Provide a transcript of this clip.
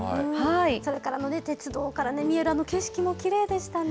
それから鉄道から見えるあの景色も、きれいでしたね。